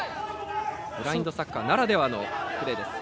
ブラインドサッカーならではのプレーです。